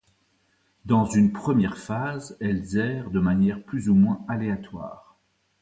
Dans une première phase, elles errent de manière plus ou moins aléatoire.